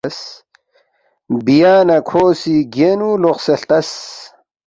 بیا نہ کھو سی گینُو لوقسے ہلتس